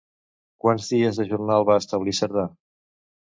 Quants dies de jornal va establir Cerdà?